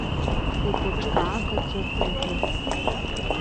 Игәыҿкаагаӡоуп уажәы.